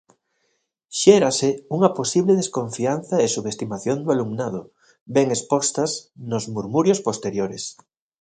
Xérase unha posible desconfianza e subestimación do alumnado, ben expostas nos murmurios posteriores.